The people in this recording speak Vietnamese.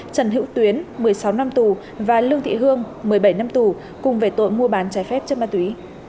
trần hữu tuyến một mươi sáu năm tù và lương thị hương một mươi bảy năm tù cùng về tội mua bán trái phép chất ma túy